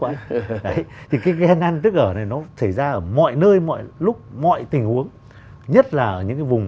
đấy thì cái hen ăn tức ở này nó xảy ra ở mọi nơi mọi lúc mọi tình huống nhất là ở những cái vùng